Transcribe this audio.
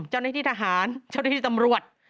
เจ้าหน้าที่ทหารเจ้าหน้าที่ตำรวจ